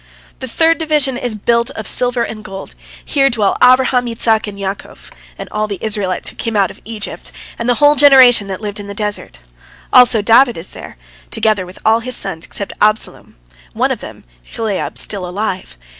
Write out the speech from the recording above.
The third division is built of silver and gold. Here dwell Abraham, Isaac, and Jacob, and all the Israelites who came out of Egypt, and the whole generation that lived in the desert. Also David is there, together with all his sons except Absalom, one of them, Chileab, still alive.